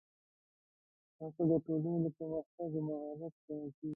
هڅه د ټولنې د پرمختګ محرک ګڼل کېږي.